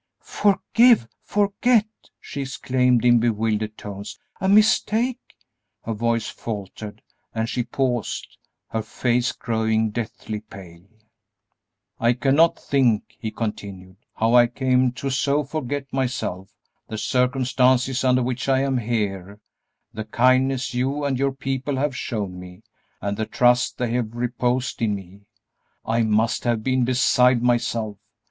"Forgive! Forget!" she exclaimed, in bewildered tones; "a mistake?" her voice faltered and she paused, her face growing deathly pale. "I cannot think," he continued, "how I came to so forget myself, the circumstances under which I am here, the kindness you and your people have shown me, and the trust they have reposed in me. I must have been beside myself.